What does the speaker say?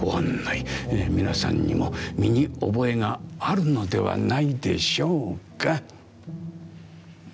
皆さんにも身に覚えがあるのではないでしょうか？